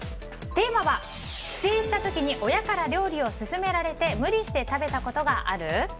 テーマは帰省した時に親から料理をすすめられて無理して食べたことがある？